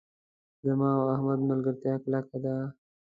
زما او احمد ملګرتیا کلکه ده.